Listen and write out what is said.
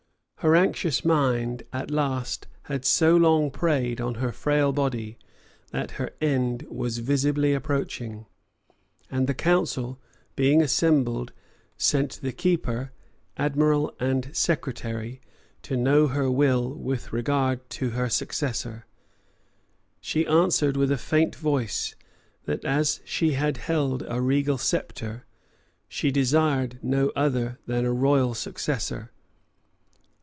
Her anxious mind at last had so long preyed on her frail body, that her end was visibly approaching; and the council, being assembled, sent the keeper, admiral, and secretary, to know her will with regard to her successor. She answered with a faint voice, that as she had held a regal sceptre, she desired no other than a royal successor.